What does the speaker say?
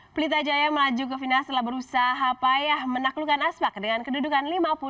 pelita jaya melaju ke final setelah berusaha payah menaklukkan aspak dengan kedudukan lima puluh satu